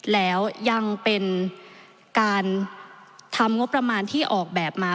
แล้วยังเป็นการทำงบประมาณที่ออกแบบมา